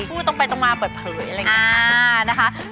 พูดตรงไปตรงมาเปิดเผยอะไรอย่างนี้นะคะ